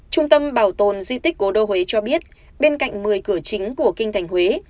trung tâm bảo tồn di tích cố đô huế cho biết bên cạnh một mươi cửa chính của kinh thành huế